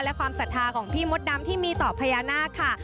และความศรัทธาของพี่มดดำที่มีต่อพญานาคค่ะ